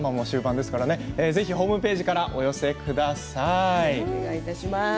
ぜひホームページからお寄せください。